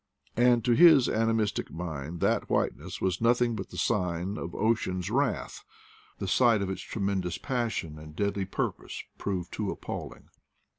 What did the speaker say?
And to his animistic mind that whiteness was nothing but the sign of ocean's wrath — the sight of its tremendous passion and deadly purpose proved too appalling.